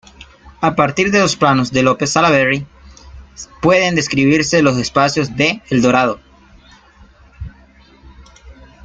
A partir de los planos de López Sallaberry, pueden describirse los espacios de "Eldorado".